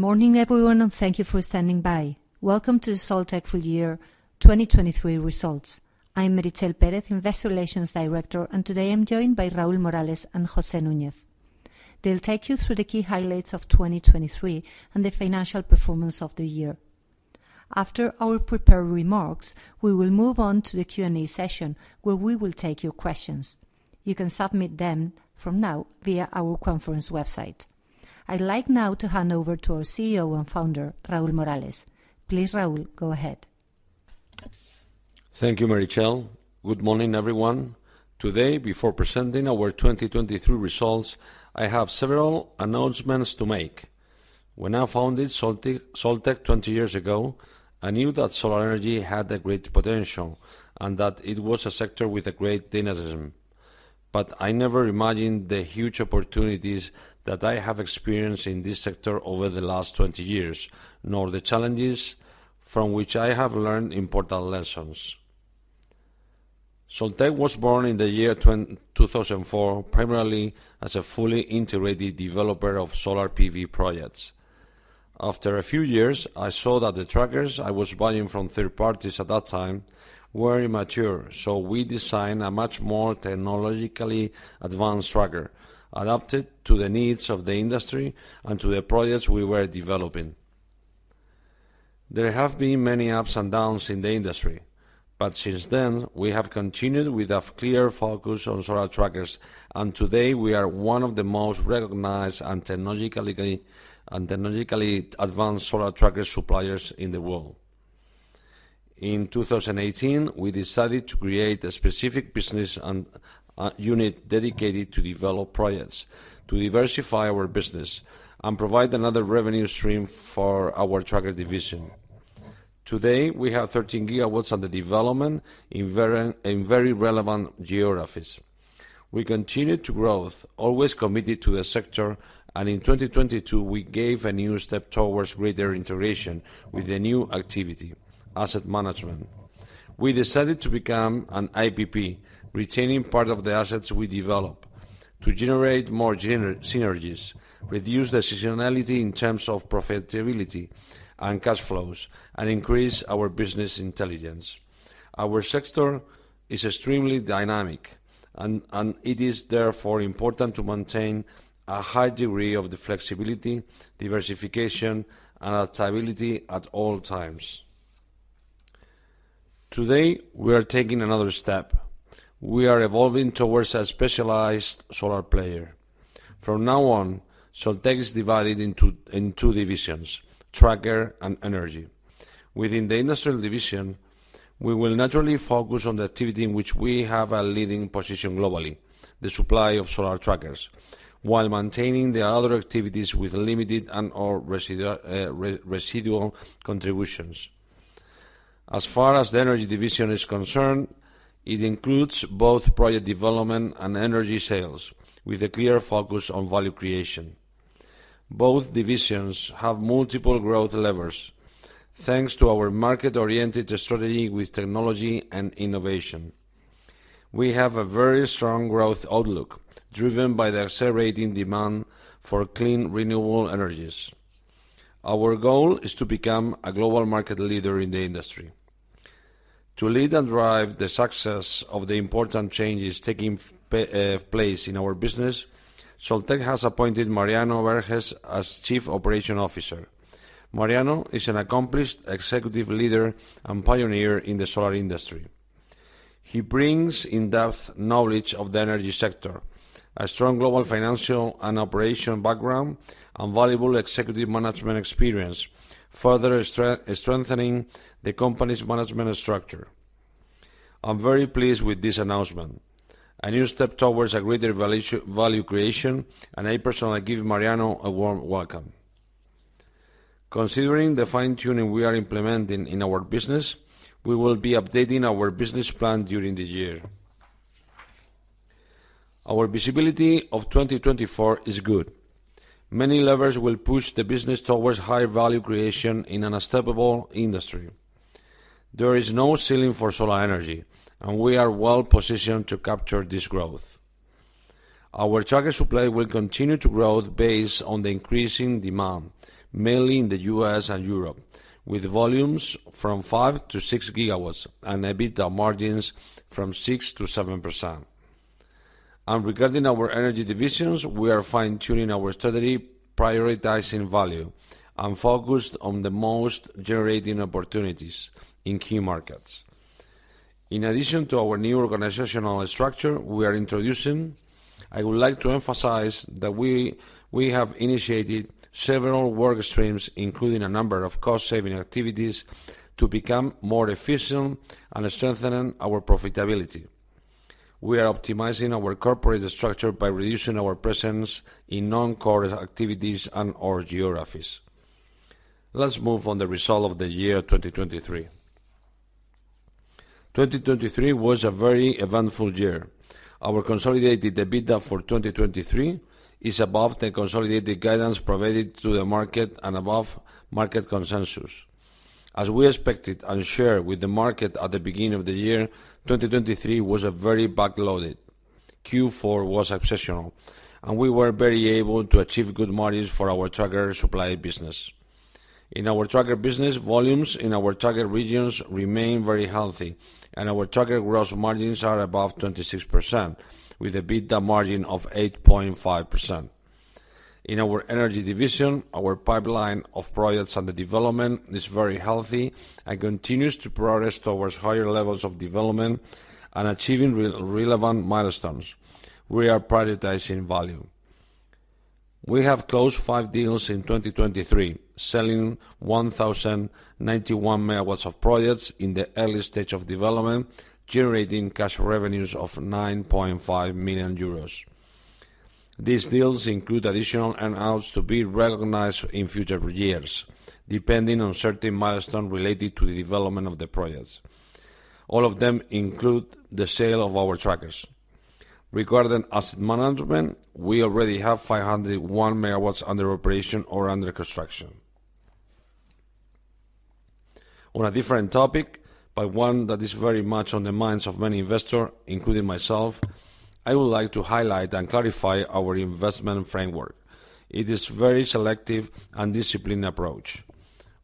Morning, everyone, and thank you for standing by. Welcome to the Soltec full year 2023 results. I'm Meritxell Pérez, Investor Relations Director, and today I'm joined by Raúl Morales and José Núñez. They'll take you through the key highlights of 2023 and the financial performance of the year. After our prepared remarks, we will move on to the Q&A session, where we will take your questions. You can submit them from now via our conference website. I'd like now to hand over to our CEO and Founder, Raúl Morales. Please, Raúl, go ahead. Thank you, Meritxell. Good morning, everyone. Today, before presenting our 2023 results, I have several announcements to make. When I founded Soltec 20 years ago, I knew that solar energy had a great potential and that it was a sector with a great dynamism, but I never imagined the huge opportunities that I have experienced in this sector over the last 20 years, nor the challenges from which I have learned important lessons. Soltec was born in the year 2004, primarily as a fully integrated developer of solar PV projects. After a few years, I saw that the trackers I was buying from third parties at that time were immature, so we designed a much more technologically advanced tracker, adapted to the needs of the industry and to the projects we were developing. There have been many ups and downs in the industry, but since then, we have continued with a clear focus on solar trackers, and today we are one of the most recognized and technologically advanced solar tracker suppliers in the world. In 2018, we decided to create a specific business unit dedicated to develop projects, to diversify our business and provide another revenue stream for our tracker division. Today, we have 13 GW under development in very relevant geographies. We continue to growth, always committed to the sector, and in 2022, we gave a new step towards greater integration with the new activity, asset management. We decided to become an IPP, retaining part of the assets we develop to generate more synergies, reduce the seasonality in terms of profitability and cash flows, and increase our business intelligence. Our sector is extremely dynamic, and it is therefore important to maintain a high degree of the flexibility, diversification, and adaptability at all times. Today, we are taking another step. We are evolving towards a specialized solar player. From now on, Soltec is divided into two divisions: tracker and energy. Within the industrial division, we will naturally focus on the activity in which we have a leading position globally, the supply of solar trackers, while maintaining the other activities with limited and/or residual contributions. As far as the energy division is concerned, it includes both project development and energy sales, with a clear focus on value creation. Both divisions have multiple growth levers, thanks to our market-oriented strategy with technology and innovation. We have a very strong growth outlook, driven by the accelerating demand for clean, renewable energies. Our goal is to become a global market leader in the industry. To lead and drive the success of the important changes taking place in our business, Soltec has appointed Mariano Berges as Chief Operating Officer. Mariano is an accomplished executive leader and pioneer in the solar industry. He brings in-depth knowledge of the energy sector, a strong global financial and operating background, and valuable executive management experience, further strengthening the company's management structure. I'm very pleased with this announcement, a new step towards a greater value creation, and I personally give Mariano a warm welcome. Considering the fine-tuning we are implementing in our business, we will be updating our business plan during the year. Our visibility of 2024 is good. Many levers will push the business towards higher value creation in an unstoppable industry. There is no ceiling for solar energy, and we are well positioned to capture this growth. Our tracker supply will continue to grow based on the increasing demand, mainly in the U.S. and Europe, with volumes from 5-6 GW and EBITDA margins from 6% to 7%. Regarding our energy divisions, we are fine-tuning our strategy, prioritizing value and focused on the most generating opportunities in key markets. In addition to our new organizational structure we are introducing, I would like to emphasize that we, we have initiated several work streams, including a number of cost-saving activities, to become more efficient and strengthen our profitability. We are optimizing our corporate structure by reducing our presence in non-core activities and/or geographies. Let's move on the result of the year 2023. 2023 was a very eventful year. Our consolidated EBITDA for 2023 is above the consolidated guidance provided to the market and above market consensus. As we expected and shared with the market at the beginning of the year, 2023 was very backloaded. Q4 was exceptional, and we were very able to achieve good margins for our tracker supply business. In our tracker business, volumes in our target regions remain very healthy, and our tracker gross margins are above 26%, with an EBITDA margin of 8.5%. In our energy division, our pipeline of projects under development is very healthy and continues to progress towards higher levels of development and achieving relevant milestones. We are prioritizing value. We have closed five deals in 2023, selling 1,091 MW of projects in the early stage of development, generating cash revenues of 9.5 million euros. These deals include additional earn-outs to be recognized in future years, depending on certain milestones related to the development of the projects. All of them include the sale of our trackers. Regarding asset management, we already have 501 MW under operation or under construction. On a different topic, but one that is very much on the minds of many investors, including myself, I would like to highlight and clarify our investment framework. It is very selective and disciplined approach.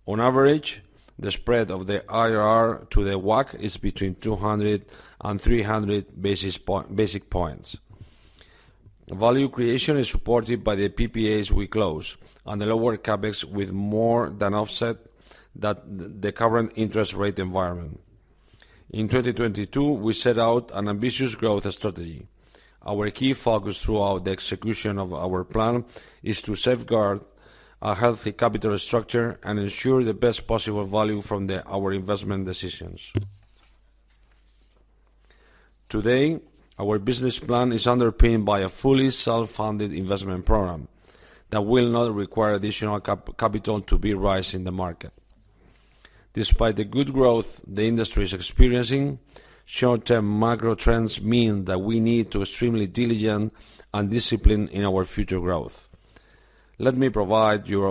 On average, the spread of the IRR to the WACC is between 200 and 300 basis points. Value creation is supported by the PPAs we close and the lower CapEx with more than offset that the current interest rate environment. In 2022, we set out an ambitious growth strategy. Our key focus throughout the execution of our plan is to safeguard a healthy capital structure and ensure the best possible value from our investment decisions. Today, our business plan is underpinned by a fully self-funded investment program that will not require additional capital to be raised in the market. Despite the good growth the industry is experiencing, short-term macro trends mean that we need to extremely diligent and disciplined in our future growth. Let me provide you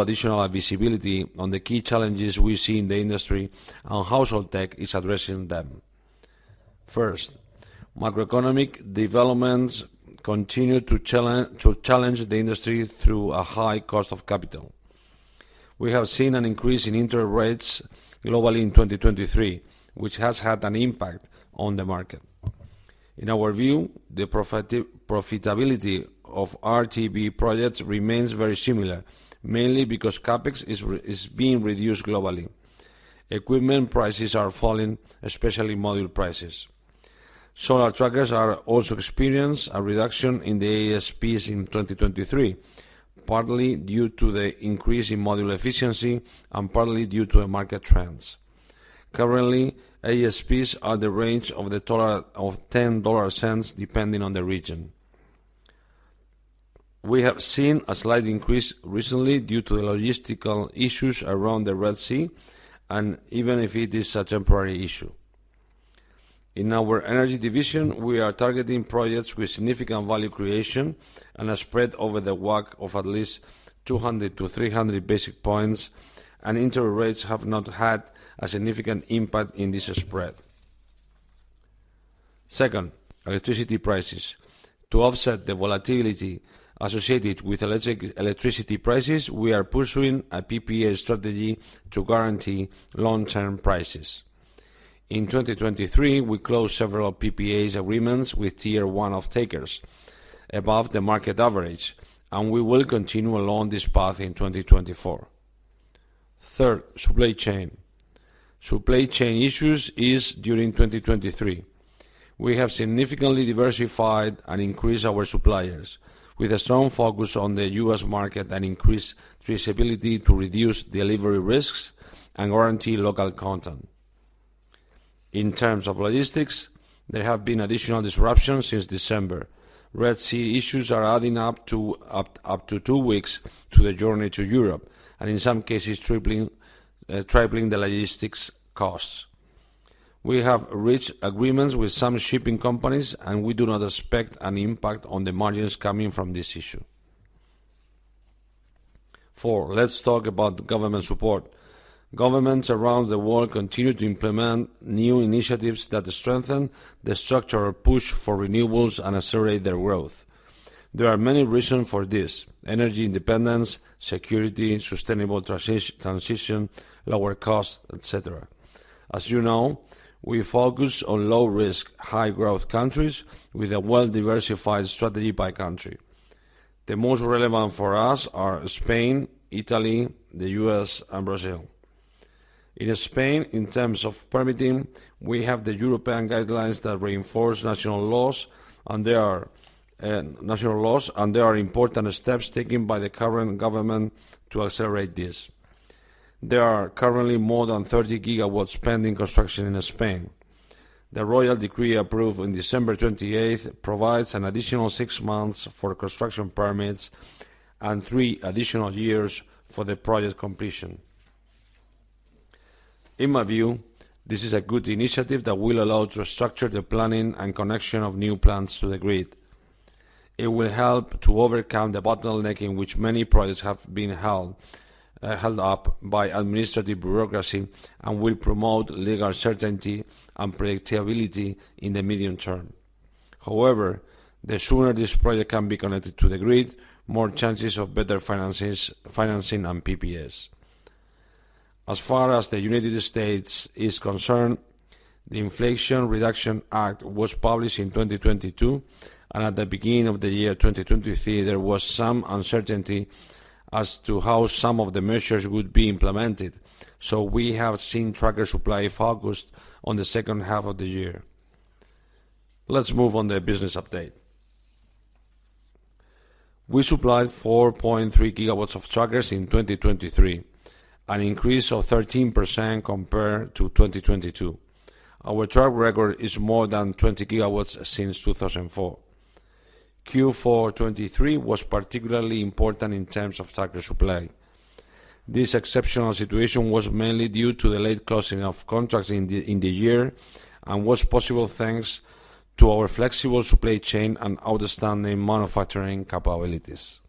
additional visibility on the key challenges we see in the industry and how Soltec is addressing them. First, macroeconomic developments continue to challenge the industry through a high cost of capital. We have seen an increase in interest rates globally in 2023, which has had an impact on the market. In our view, the profitability of RTB projects remains very similar, mainly because CapEx is being reduced globally. Equipment prices are falling, especially module prices. Solar trackers have also experienced a reduction in the ASPs in 2023, partly due to the increase in module efficiency and partly due to the market trends. Currently, ASPs are in the range of $0.10, depending on the region. We have seen a slight increase recently due to the logistical issues around the Red Sea, and even if it is a temporary issue. In our energy division, we are targeting projects with significant value creation and a spread over the WACC of at least 200 to 300 basis points, and interest rates have not had a significant impact in this spread. Second, electricity prices. To offset the volatility associated with electricity prices, we are pursuing a PPA strategy to guarantee long-term prices. In 2023, we closed several PPAs agreements with tier one off-takers above the market average, and we will continue along this path in 2024. Third, supply chain. Supply chain issues eased during 2023. We have significantly diversified and increased our suppliers, with a strong focus on the U.S. market and increased traceability to reduce delivery risks and guarantee local content. In terms of logistics, there have been additional disruptions since December. Red Sea issues are adding up to two weeks to the journey to Europe, and in some cases, tripling the logistics costs. We have reached agreements with some shipping companies, and we do not expect an impact on the margins coming from this issue. Four, let's talk about government support. Governments around the world continue to implement new initiatives that strengthen the structural push for renewables and accelerate their growth. There are many reasons for this: energy independence, security, sustainable transition, lower cost, et cetera. As you know, we focus on low risk, high growth countries with a well-diversified strategy by country. The most relevant for us are Spain, Italy, the U.S., and Brazil. In Spain, in terms of permitting, we have the European guidelines that reinforce national laws, and there are national laws, and there are important steps taken by the current government to accelerate this. There are currently more than 30 GW pending construction in Spain. The Royal Decree, approved on December 28, provides an additional six months for construction permits and three additional years for the project completion. In my view, this is a good initiative that will allow to structure the planning and connection of new plants to the grid. It will help to overcome the bottleneck in which many projects have been held up by administrative bureaucracy, and will promote legal certainty and predictability in the medium term. However, the sooner this project can be connected to the grid, more chances of better finances-financing and PPAs. As far as the United States is concerned, the Inflation Reduction Act was published in 2022, and at the beginning of the year 2023, there was some uncertainty as to how some of the measures would be implemented, so we have seen tracker supply focused on the second half of the year. Let's move on the business update. We supplied 4.3 GW of trackers in 2023, an increase of 13% compared to 2022. Our track record is more than 20 GW since 2004. Q4 2023 was particularly important in terms of tracker supply. This exceptional situation was mainly due to the late closing of contracts in the year, and was possible thanks to our flexible supply chain and outstanding manufacturing capabilities.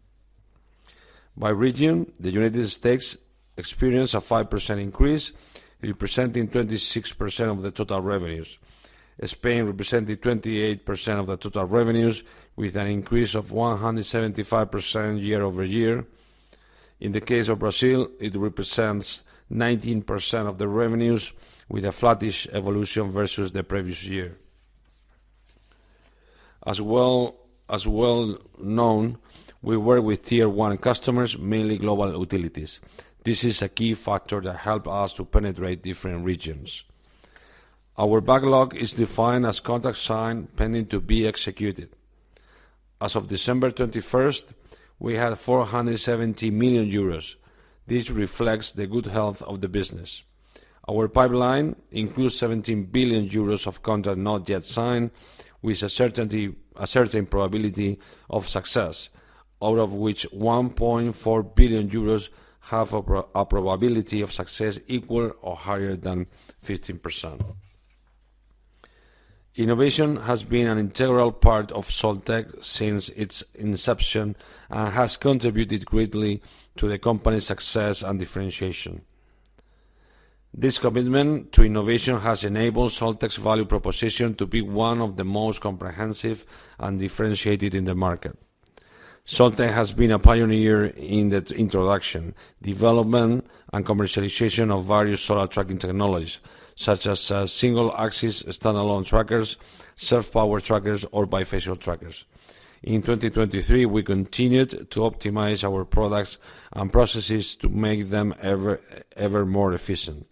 By region, the United States experienced a 5% increase, representing 26% of the total revenues. Spain represented 28% of the total revenues, with an increase of 175% year-over-year. In the case of Brazil, it represents 19% of the revenues, with a flattish evolution versus the previous year. As well known, we work with tier one customers, mainly global utilities. This is a key factor that help us to penetrate different regions. Our backlog is defined as contracts signed, pending to be executed. As of December 31st, we had 470 million euros. This reflects the good health of the business. Our pipeline includes 17 billion euros of contract not yet signed, with a certainty, a certain probability of success, out of which 1.4 billion euros have a probability of success equal or higher than 15%. Innovation has been an integral part of Soltec since its inception, and has contributed greatly to the company's success and differentiation. This commitment to innovation has enabled Soltec's value proposition to be one of the most comprehensive and differentiated in the market. Soltec has been a pioneer in the introduction, development, and commercialization of various solar tracking technologies, such as single-axis standalone trackers, self-powered trackers, or bifacial trackers. In 2023, we continued to optimize our products and processes to make them ever more efficient.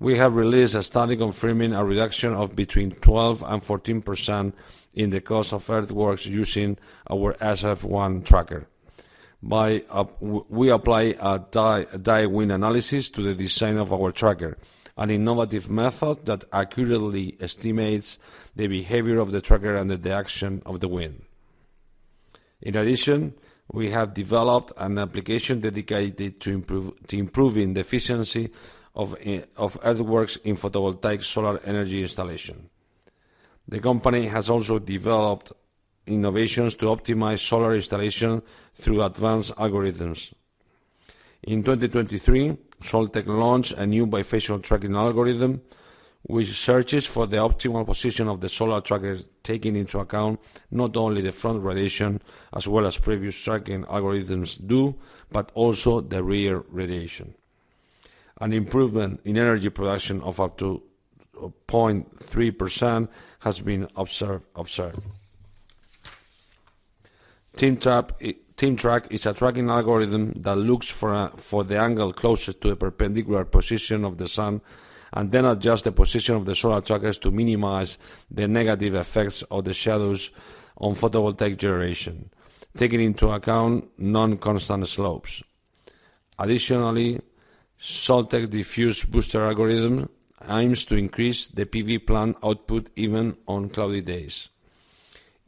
We have released a study confirming a reduction of between 12% and 14% in the cost of earthworks using our SFOne tracker. We apply a wind analysis to the design of our tracker, an innovative method that accurately estimates the behavior of the tracker under the action of the wind. In addition, we have developed an application dedicated to improving the efficiency of earthworks in photovoltaic solar energy installation. The company has also developed innovations to optimize solar installation through advanced algorithms. In 2023, Soltec launched a new bifacial tracking algorithm, which searches for the optimal position of the solar trackers, taking into account not only the front radiation, as well as previous tracking algorithms do, but also the rear radiation. An improvement in energy production of up to 0.3% has been observed. TeamTrack is a tracking algorithm that looks for the angle closest to the perpendicular position of the sun, and then adjusts the position of the solar trackers to minimize the negative effects of the shadows on photovoltaic generation, taking into account non-constant slopes. Additionally, Soltec Diffuse Booster algorithm aims to increase the PV plant output, even on cloudy days.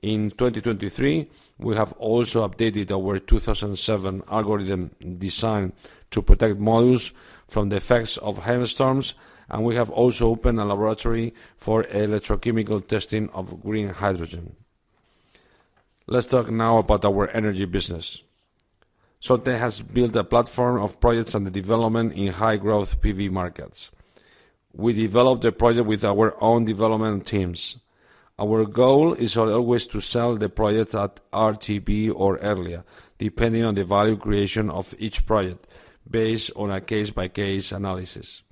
In 2023, we have also updated our 2007 algorithm design to protect modules from the effects of hailstorms, and we have also opened a laboratory for electrochemical testing of green hydrogen. Let's talk now about our energy business. Soltec has built a platform of projects under development in high-growth PV markets. We developed the project with our own development teams. Our goal is always to sell the project at RTB or earlier, depending on the value creation of each project, based on a case-by-case analysis.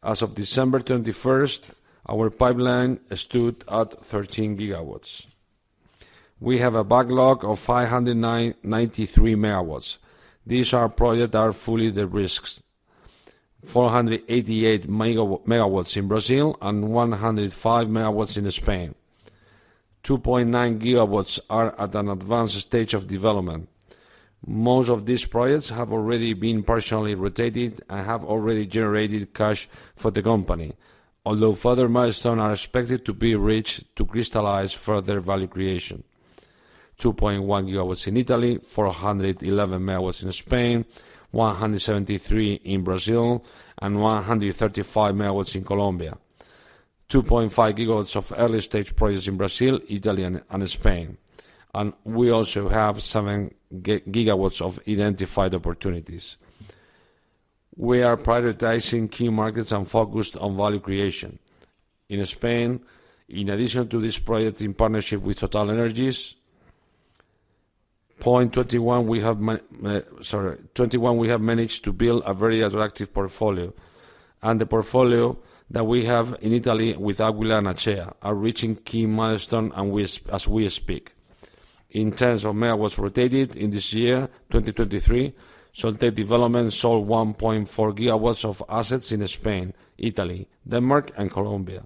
As of December 21st, our pipeline stood at 13 GW. We have a backlog of 593 MW. These are projects that are fully de-risked: 488 MW in Brazil and 105 MW in Spain. 2.9 GW are at an advanced stage of development. Most of these projects have already been partially rotated, and have already generated cash for the company, although further milestones are expected to be reached to crystallize further value creation. 2.1 GW in Italy, 411 MW in Spain, 173 MW in Brazil, and 135 MW in Colombia. 2.5 GW of early-stage projects in Brazil, Italy, and Spain, and we also have 7 GW of identified opportunities. We are prioritizing key markets and focused on value creation. In Spain, in addition to this project in partnership with TotalEnergies, 0.21, we have, sorry, 21, we have managed to build a very attractive portfolio, and the portfolio that we have in Italy with Aquila and Acea are reaching key milestone and we, as we speak. In terms of megawatts rotated, in this year, 2023, Soltec Development sold 1.4 GW of assets in Spain, Italy, Denmark, and Colombia.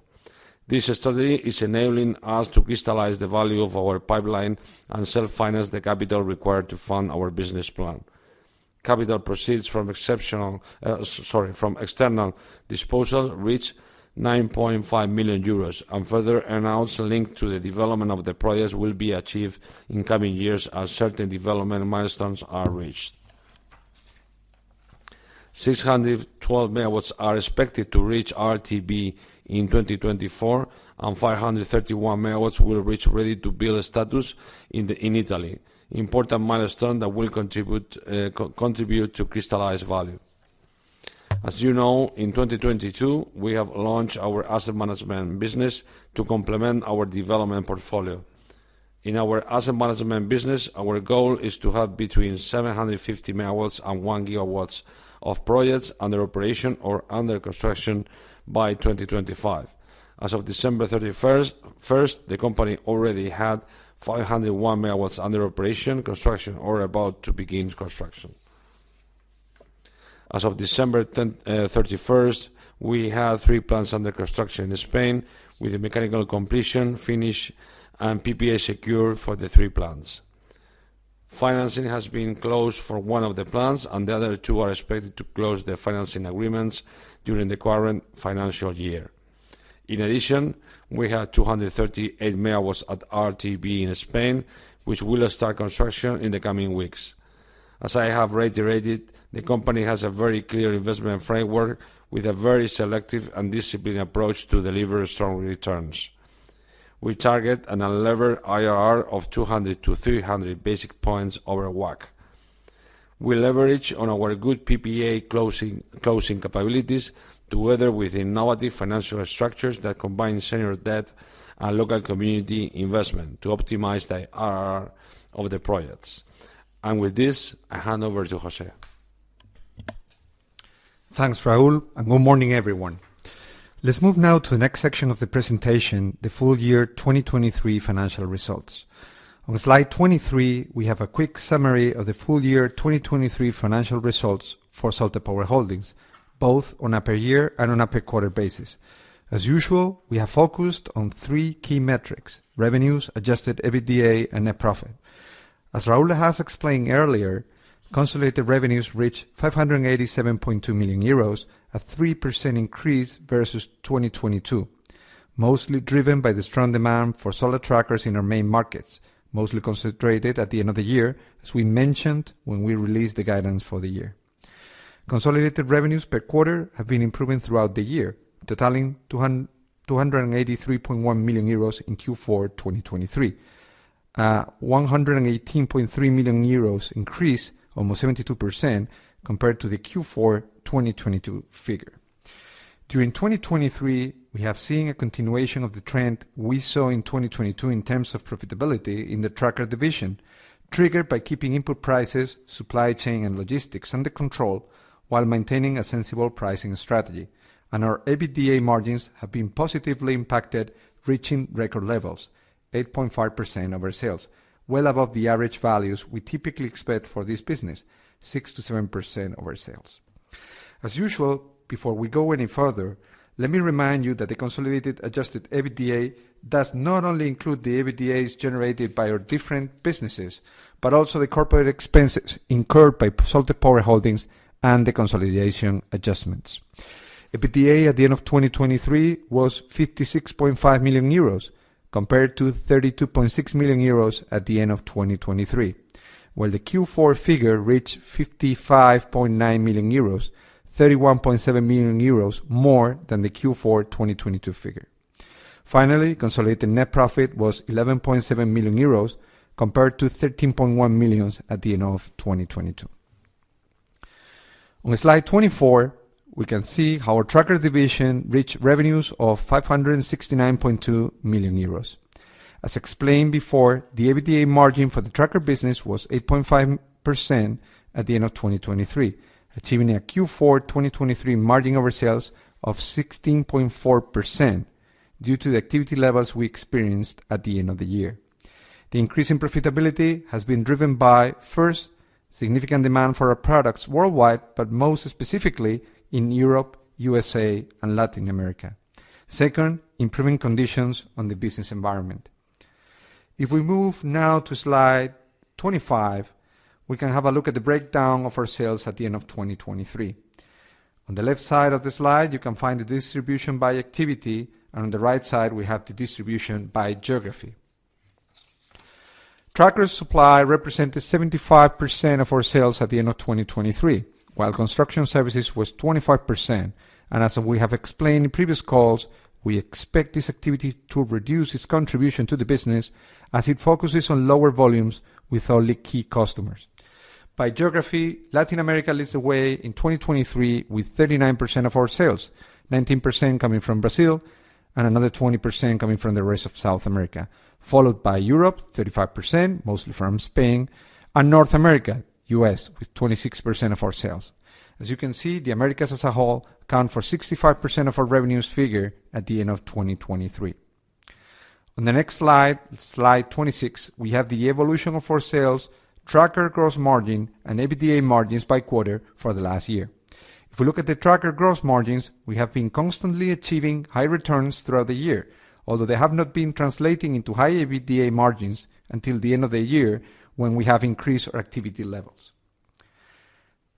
This strategy is enabling us to crystallize the value of our pipeline and self-finance the capital required to fund our business plan. Capital proceeds from exceptional, from external disposals, reached 9.5 million euros, and further amounts linked to the development of the projects will be achieved in coming years as certain development milestones are reached. 612 MW are expected to reach RTB in 2024, and 531 MW will reach ready-to-build status in Italy, important milestone that will contribute to crystallize value. As you know, in 2022, we have launched our asset management business to complement our development portfolio. In our asset management business, our goal is to have between 750 MW and 1 GW of projects under operation or under construction by 2025. As of December 31, the company already had 501 MW under operation, construction, or about to begin construction. As of December 31, we have three plants under construction in Spain, with the mechanical completion, finish, and PPA secured for the three plants. Financing has been closed for one of the plants, and the other two are expected to close their financing agreements during the current financial year. In addition, we have 238 MW at RTB in Spain, which will start construction in the coming weeks. As I have reiterated, the company has a very clear investment framework with a very selective and disciplined approach to deliver strong returns. We target an unlevered IRR of 200 to 300 basis points over WACC. We leverage on our good PPA closing capabilities, together with innovative financial structures that combine senior debt and local community investment to optimize the IRR of the projects. With this, I hand over to José. Thanks, Raul, and good morning, everyone. Let's move now to the next section of the presentation, the full year 2023 financial results. On slide 23, we have a quick summary of the full year 2023 financial results for Soltec Power Holdings, both on a per year and on a per quarter basis. As usual, we have focused on three key metrics: revenues, adjusted EBITDA, and net profit. As Raul has explained earlier, consolidated revenues reached 587.2 million euros, a 3% increase versus 2022, mostly driven by the strong demand for solar trackers in our main markets, mostly concentrated at the end of the year, as we mentioned when we released the guidance for the year. Consolidated revenues per quarter have been improving throughout the year, totaling two hundred and eighty-three point one million euros in Q4 2023. 118.3 million EUR increase, almost 72%, compared to the Q4 2022 figure. During 2023, we have seen a continuation of the trend we saw in 2022 in terms of profitability in the tracker division, triggered by keeping input prices, supply chain, and logistics under control, while maintaining a sensible pricing strategy. Our EBITDA margins have been positively impacted, reaching record levels, 8.5% of our sales, well above the average values we typically expect for this business, 6% to 7% of our sales. As usual, before we go any further, let me remind you that the consolidated adjusted EBITDA does not only include the EBITDAs generated by our different businesses, but also the corporate expenses incurred by Soltec Power Holdings and the consolidation adjustments. EBITDA at the end of 2023 was 56.5 million euros, compared to 32.6 million euros at the end of 2023, while the Q4 figure reached 55.9 million euros, 31.7 million euros more than the Q4 2022 figure. Finally, consolidated net profit was 11.7 million euros, compared to 13.1 million at the end of 2022. On slide 24, we can see how our tracker division reached revenues of 569.2 million euros. As explained before, the EBITDA margin for the tracker business was 8.5% at the end of 2023, achieving a Q4 2023 margin over sales of 16.4% due to the activity levels we experienced at the end of the year. The increase in profitability has been driven by, first, significant demand for our products worldwide, but most specifically in Europe, USA, and Latin America. Second, improving conditions on the business environment. If we move now to slide 25, we can have a look at the breakdown of our sales at the end of 2023. On the left side of the slide, you can find the distribution by activity, and on the right side, we have the distribution by geography. Tracker supply represented 75% of our sales at the end of 2023, while construction services was 25%. And as we have explained in previous calls, we expect this activity to reduce its contribution to the business as it focuses on lower volumes with only key customers. By geography, Latin America leads the way in 2023 with 39% of our sales, 19% coming from Brazil, and another 20% coming from the rest of South America, followed by Europe, 35%, mostly from Spain, and North America, U.S., with 26% of our sales. As you can see, the Americas as a whole account for 65% of our revenues figure at the end of 2023. On the next slide, slide 26, we have the evolution of our sales, tracker gross margin, and EBITDA margins by quarter for the last year. If we look at the tracker gross margins, we have been constantly achieving high returns throughout the year, although they have not been translating into high EBITDA margins until the end of the year, when we have increased our activity levels.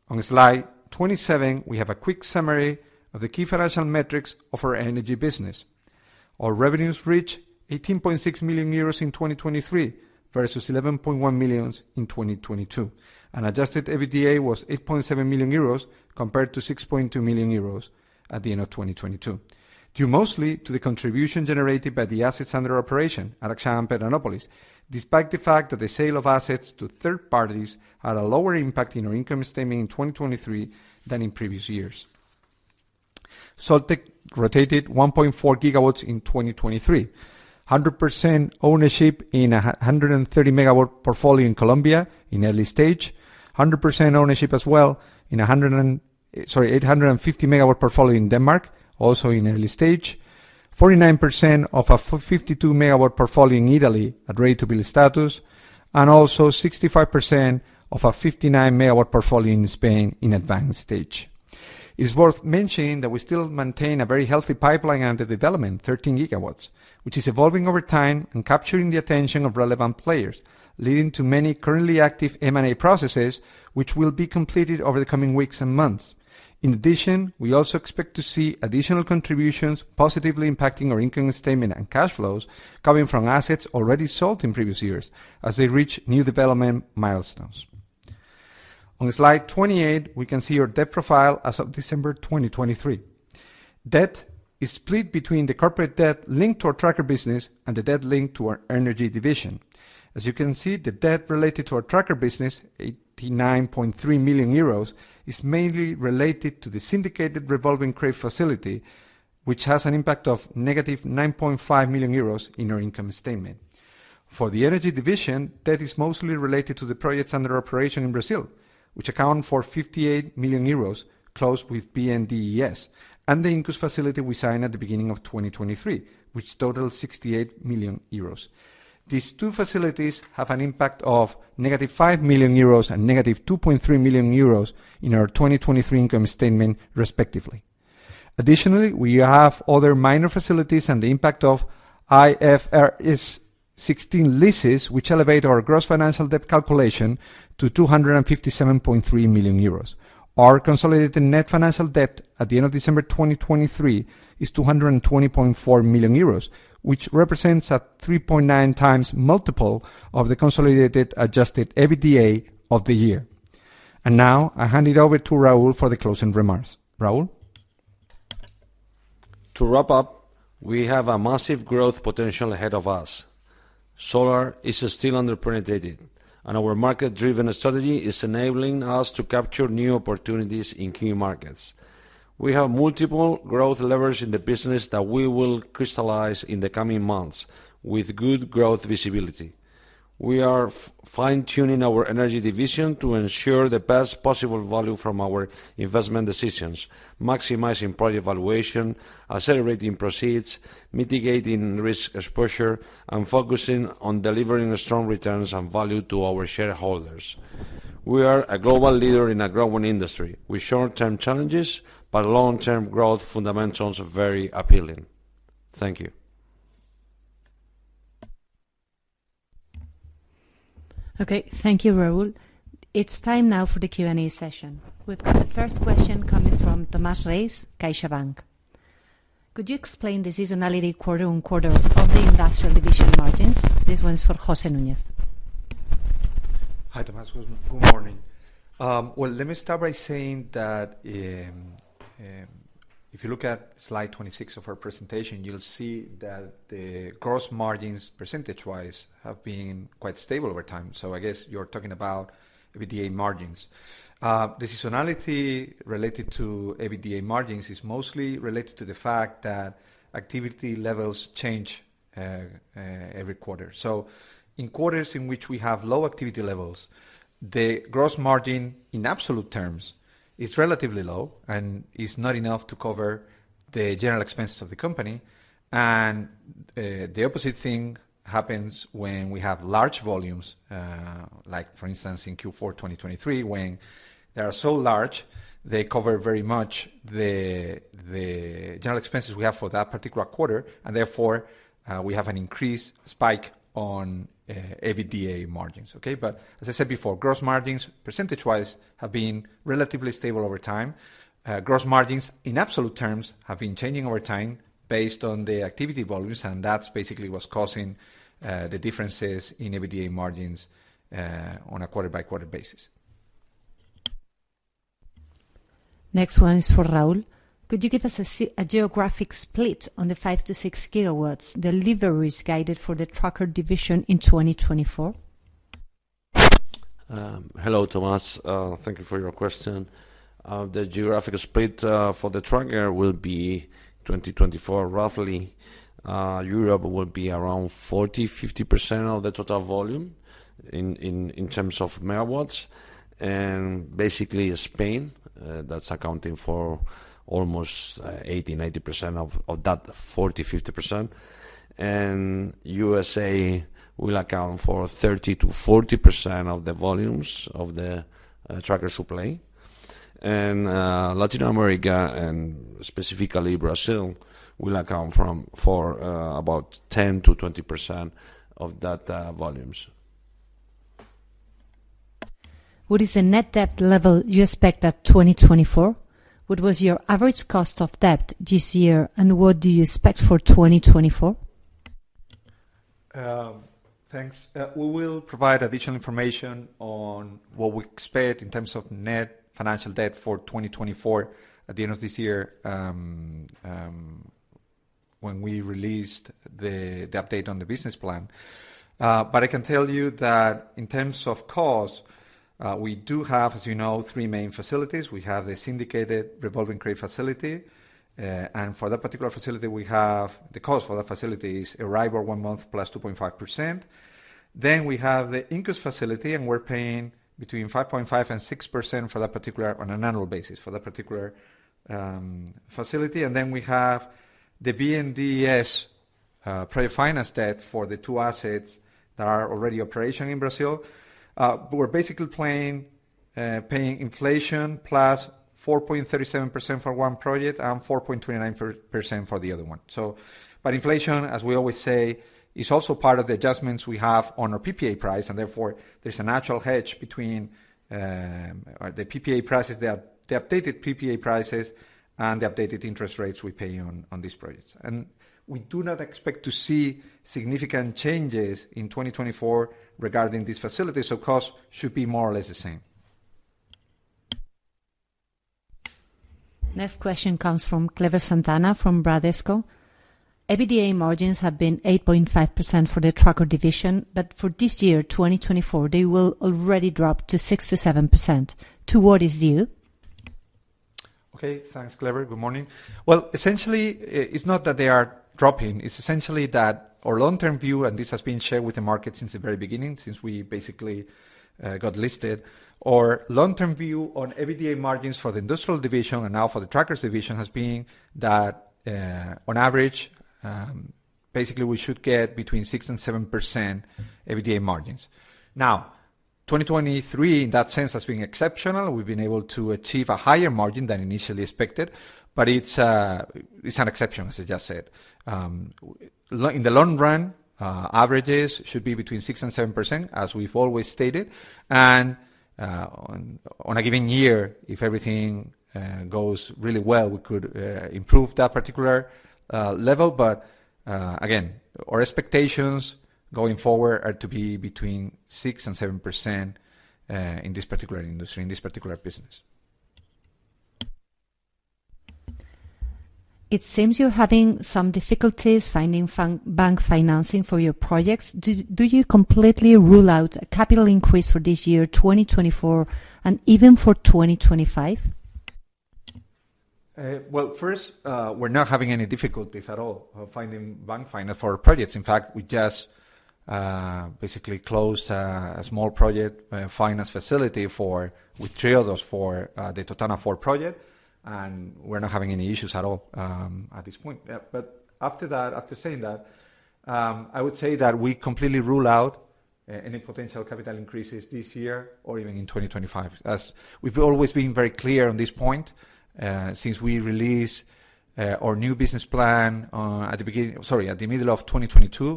On slide 27, we have a quick summary of the key financial metrics of our energy business. Our revenues reached 18.6 million euros in 2023, versus 11.1 million in 2022, and adjusted EBITDA was 8.7 million euros, compared to 6.2 million euros at the end of 2022, due mostly to the contribution generated by the assets under operation, Araxá and Pedranópolis, despite the fact that the sale of assets to third parties had a lower impact in our income statement in 2023 than in previous years. Soltec rotated 1.4 GW in 2023, 100% ownership in a 130-MW portfolio in Colombia in early stage, 100% ownership as well in an 850-MW portfolio in Denmark, also in early stage, 49% of a 52-MW portfolio in Italy at ready-to-build status, and also 65% of a 59-MW portfolio in Spain in advanced stage. It's worth mentioning that we still maintain a very healthy pipeline under development, 13 GW, which is evolving over time and capturing the attention of relevant players, leading to many currently active M&A processes, which will be completed over the coming weeks and months. In addition, we also expect to see additional contributions positively impacting our income statement and cash flows coming from assets already sold in previous years as they reach new development milestones. On slide 28, we can see our debt profile as of December 2023. Debt is split between the corporate debt linked to our tracker business and the debt linked to our energy division. As you can see, the debt related to our tracker business, 89.3 million euros, is mainly related to the syndicated revolving credit facility, which has an impact of negative 9.5 million euros in our income statement. For the energy division, debt is mostly related to the projects under operation in Brazil, which account for 58 million euros closed with BNDES, and the Incus facility we signed at the beginning of 2023, which totals 68 million euros. These two facilities have an impact of negative 5 million euros and negative 2.3 million euros in our 2023 income statement, respectively. Additionally, we have other minor facilities and the impact of IFRS 16 leases, which elevate our gross financial debt calculation to 257.3 million euros. Our consolidated net financial debt at the end of December 2023 is 220.4 million euros, which represents a 3.9x multiple of the consolidated adjusted EBITDA of the year. And now I hand it over to Raúl for the closing remarks. Raúl? To wrap up, we have a massive growth potential ahead of us. Solar is still underpenetrated, and our market-driven strategy is enabling us to capture new opportunities in key markets. We have multiple growth levers in the business that we will crystallize in the coming months with good growth visibility. We are fine-tuning our energy division to ensure the best possible value from our investment decisions, maximizing project valuation, accelerating proceeds, mitigating risk exposure, and focusing on delivering strong returns and value to our shareholders. We are a global leader in a growing industry with short-term challenges, but long-term growth fundamentals are very appealing. Thank you. Okay. Thank you, Raúl. It's time now for the Q&A session. We've got the first question coming from Tomás Reyes, CaixaBank. Could you explain the seasonality quarter on quarter of the industrial division margins? This one's for José Núñez. Hi, Tomás. Good morning. Well, let me start by saying that, if you look at slide 26 of our presentation, you'll see that the gross margins, percentage-wise, have been quite stable over time. So I guess you're talking about EBITDA margins. The seasonality related to EBITDA margins is mostly related to the fact that activity levels change every quarter. So in quarters in which we have low activity levels, the gross margin, in absolute terms, is relatively low and is not enough to cover the general expenses of the company. And the opposite thing happens when we have large volumes, like for instance, in Q4 2023, when they are so large, they cover very much the general expenses we have for that particular quarter, and therefore, we have an increased spike on EBITDA margins, okay? As I said before, gross margins, percentage-wise, have been relatively stable over time. Gross margins, in absolute terms, have been changing over time based on the activity volumes, and that's basically what's causing the differences in EBITDA margins on a quarter-by-quarter basis.... Next one is for Raúl. Could you give us a geographic split on the 5-6 GW deliveries guided for the tracker division in 2024? Hello, Tomás. Thank you for your question. The geographic split for the tracker will be 2024, roughly, Europe will be around 40% to 50% of the total volume in terms of megawatts. Basically Spain, that's accounting for almost 80% to 90% of that 40% to 50%. USA will account for 30% to 40% of the volumes of the tracker supply. Latin America, and specifically Brazil, will account for about 10% to 20% of that volumes. What is the net debt level you expect at 2024? What was your average cost of debt this year, and what do you expect for 2024? Thanks. We will provide additional information on what we expect in terms of net financial debt for 2024 at the end of this year, when we released the update on the business plan. But I can tell you that in terms of cost, we do have, as you know, three main facilities. We have the syndicated revolving credit facility, and for that particular facility, the cost for that facility is Euribor one month plus 2.5%. Then, we have the Incus facility, and we're paying between 5.5% and 6% for that particular, on an annual basis, for that particular facility. And then, we have the BNDES project finance debt for the two assets that are already operational in Brazil. But we're basically paying inflation plus 4.37% for one project and 4.29% for the other one. So... But inflation, as we always say, is also part of the adjustments we have on our PPA price, and therefore, there's a natural hedge between the PPA prices, the updated PPA prices, and the updated interest rates we pay on these projects. And we do not expect to see significant changes in 2024 regarding these facilities, so cost should be more or less the same. Next question comes from Cleber Santana, from Bradesco. EBITDA margins have been 8.5% for the tracker division, but for this year, 2024, they will already drop to 6% to 7%. To what is due? Okay. Thanks, Cleber. Good morning. Well, essentially, it's not that they are dropping, it's essentially that our long-term view, and this has been shared with the market since the very beginning, since we basically got listed. Our long-term view on EBITDA margins for the industrial division and now for the trackers division, has been that, on average, basically, we should get between 6% and 7% EBITDA margins. Now, 2023, in that sense, has been exceptional. We've been able to achieve a higher margin than initially expected, but it's, it's an exception, as I just said. In the long run, averages should be between 6% and 7%, as we've always stated, and, on, on a given year, if everything goes really well, we could improve that particular level. Again, our expectations going forward are to be between 6% and 7% in this particular industry, in this particular business. It seems you're having some difficulties finding non-bank financing for your projects. Do you completely rule out a capital increase for this year, 2024, and even for 2025? Well, first, we're not having any difficulties at all of finding bank finance for our projects. In fact, we just basically closed a small project finance facility with Triodos for the Totana IV project, and we're not having any issues at all at this point. But after that, after saying that, I would say that we completely rule out any potential capital increases this year or even in 2025. As we've always been very clear on this point since we released our new business plan at the beginning, sorry, at the middle of 2022,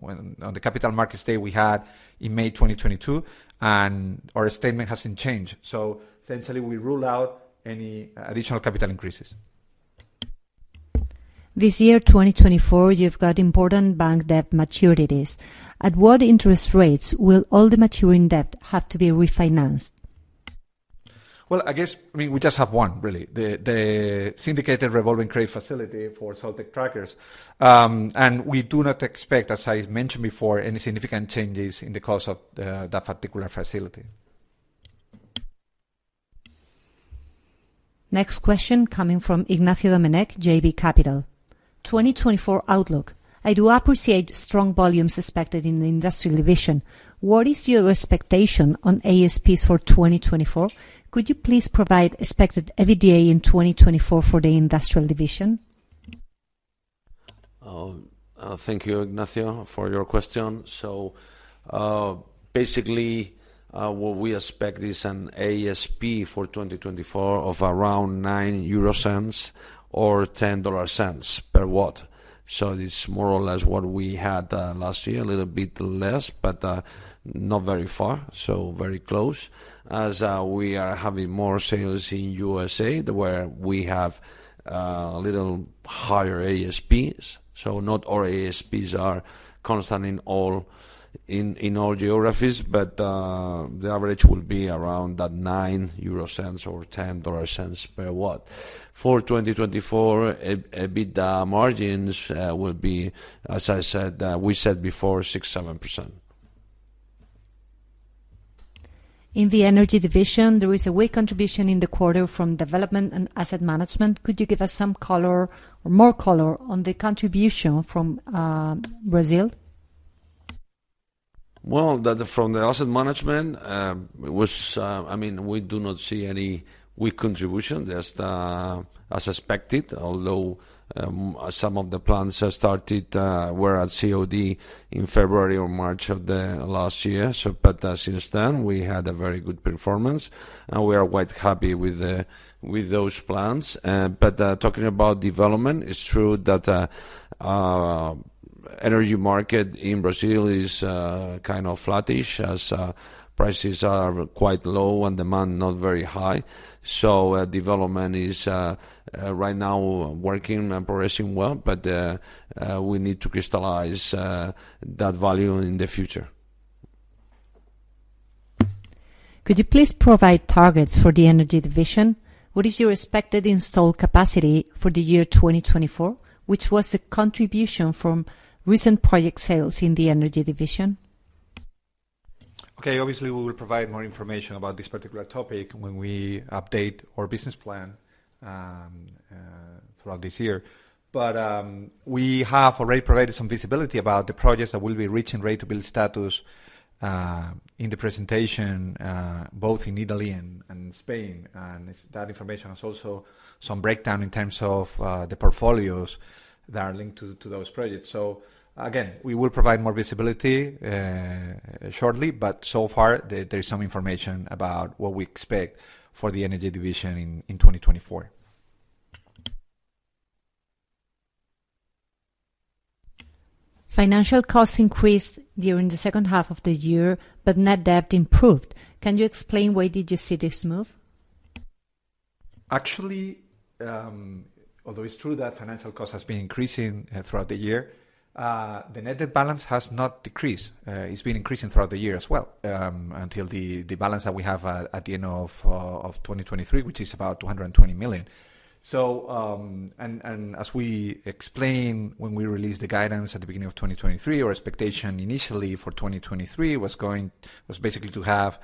when on the capital market day we had in May 2022, and our statement hasn't changed. So essentially, we rule out any additional capital increases. This year, 2024, you've got important bank debt maturities. At what interest rates will all the maturing debt have to be refinanced? Well, I guess, I mean, we just have one really, the syndicated revolving credit facility for Soltec Trackers. And we do not expect, as I mentioned before, any significant changes in the cost of that particular facility. Next question coming from Ignacio Domenech, JB Capital. 2024 outlook. I do appreciate strong volumes expected in the industrial division. What is your expectation on ASPs for 2024? Could you please provide expected EBITDA in 2024 for the industrial division? Thank you, Ignacio, for your question. So, basically, what we expect is an ASP for 2024 of around 0.09 or $0.10 per watt. So it's more or less what we had last year, a little bit less, but not very far, so very close. As we are having more sales in USA, where we have little higher ASPs. So not all ASPs are constant in all geographies, but the average will be around that 0.09 or $0.10 per watt. For 2024, EBITDA margins will be, as I said, we said before, 6% to 7%. In the energy division, there is a weak contribution in the quarter from development and asset management. Could you give us some color or more color on the contribution from Brazil? Well, that from the asset management, it was... I mean, we do not see any weak contribution, just as expected, although some of the plants that started were at COD in February or March of the last year. So, but since then, we had a very good performance, and we are quite happy with those plans. But talking about development, it's true that energy market in Brazil is kind of flattish, as prices are quite low and demand not very high. So, development is right now working and progressing well, but we need to crystallize that value in the future. Could you please provide targets for the energy division? What is your expected installed capacity for the year 2024? What was the contribution from recent project sales in the energy division? Okay, obviously, we will provide more information about this particular topic when we update our business plan throughout this year. But we have already provided some visibility about the projects that will be reaching ready-to-build status in the presentation both in Italy and Spain. And that information is also some breakdown in terms of the portfolios that are linked to those projects. So again, we will provide more visibility shortly, but so far, there is some information about what we expect for the energy division in 2024. Financial costs increased during the second half of the year, but net debt improved. Can you explain why did you see this move? Actually, although it's true that financial cost has been increasing throughout the year, the net debt balance has not decreased. It's been increasing throughout the year as well, until the balance that we have at the end of 2023, which is about 220 million. So, and as we explained when we released the guidance at the beginning of 2023, our expectation initially for 2023 was going-- was basically to have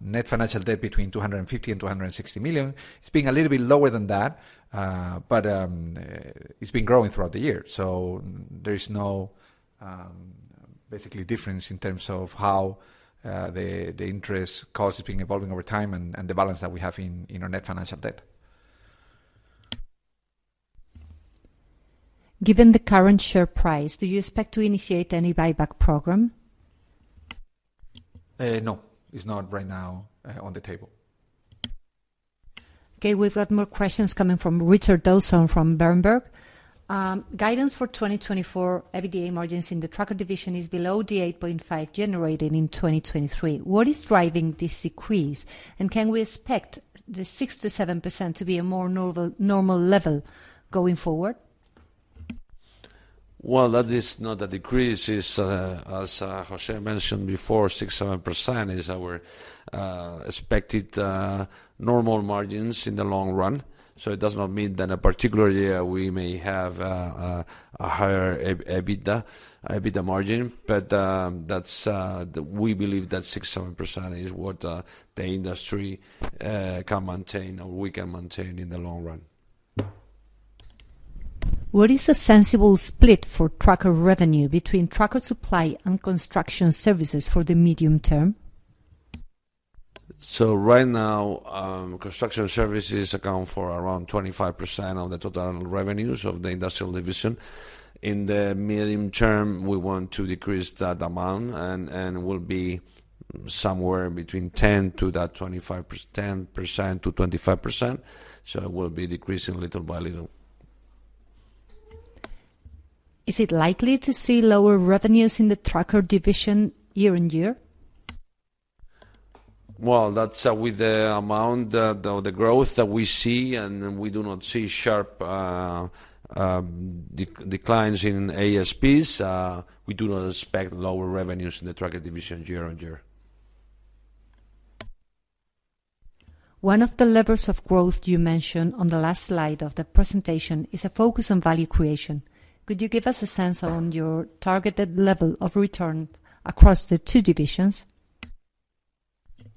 net financial debt between 250 million and 260 million. It's been a little bit lower than that, but it's been growing throughout the year. There is no basically difference in terms of how the interest cost has been evolving over time and the balance that we have in our net financial debt. Given the current share price, do you expect to initiate any buyback program? No, it's not right now on the table. Okay, we've got more questions coming from Richard Dawson from Berenberg. Guidance for 2024 EBITDA margins in the tracker division is below the 8.5 generated in 2023. What is driving this decrease, and can we expect the 6% to 7% to be a more normal, normal level going forward? Well, that is not a decrease. It's, as José mentioned before, 6% to 7% is our expected normal margins in the long run. So it does not mean that a particular year, we may have a higher EBITDA margin. But, that's we believe that 6% to 7% is what the industry can maintain or we can maintain in the long run. What is the sensible split for tracker revenue between tracker supply and construction services for the medium term? Right now, construction services account for around 25% of the total revenues of the industrial division. In the medium term, we want to decrease that amount, and we'll be somewhere between 10% to 25%, so it will be decreasing little by little. Is it likely to see lower revenues in the tracker division year on year? Well, that's with the amount, the growth that we see, and we do not see sharp declines in ASPs. We do not expect lower revenues in the tracker division year-over-year. One of the levers of growth you mentioned on the last slide of the presentation is a focus on value creation. Could you give us a sense on your targeted level of return across the two divisions?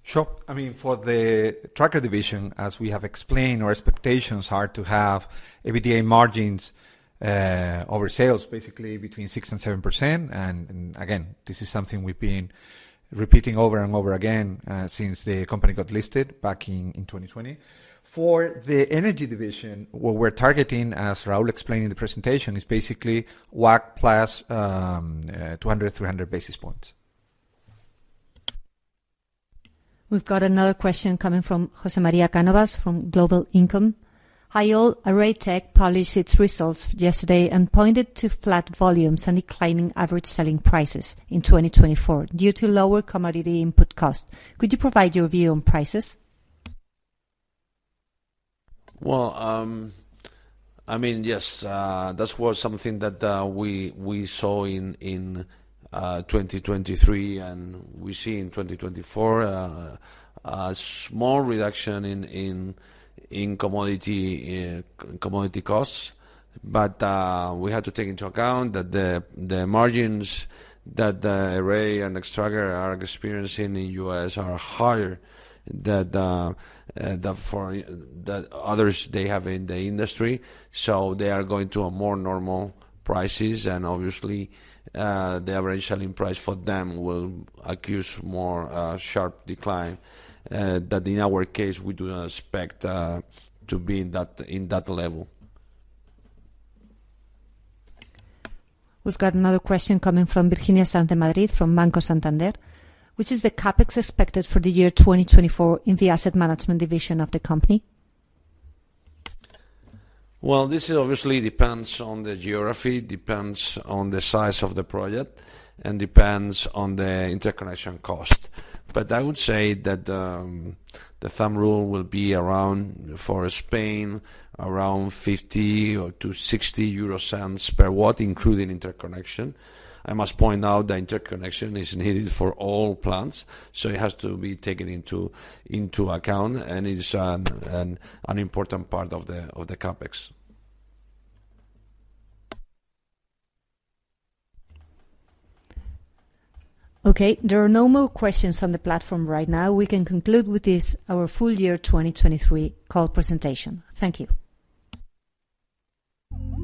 Sure. I mean, for the tracker division, as we have explained, our expectations are to have EBITDA margins over sales, basically between 6% and 7%. And again, this is something we've been repeating over and over again since the company got listed back in 2020. For the energy division, what we're targeting, as Raúl explained in the presentation, is basically WACC plus 200 to 300 basis points. We've got another question coming from José Cánovas from GVC Gaesco. So, Array Technologies published its results yesterday and pointed to flat volumes and declining average selling prices in 2024 due to lower commodity input costs. Could you provide your view on prices? Well, I mean, yes, that was something that we saw in 2023, and we see in 2024 a small reduction in commodity costs. But we have to take into account that the margins that Array Technologies and Nextracker are experiencing in the U.S. are higher than the others they have in the industry. So they are going to more normal prices, and obviously, the average selling price for them will see a more sharp decline than in our case. We do not expect to be in that level. We've got another question coming from Virginia Sanz de Madrid, from Banco Santander: Which is the CapEx expected for the year 2024 in the asset management division of the company? Well, this obviously depends on the geography, depends on the size of the project, and depends on the interconnection cost. But I would say that the thumb rule will be around, for Spain, around 0.50 to 0.60 per watt, including interconnection. I must point out, the interconnection is needed for all plants, so it has to be taken into account, and it is an important part of the CapEx. Okay, there are no more questions on the platform right now. We can conclude with this, our full year 2023 call presentation. Thank you.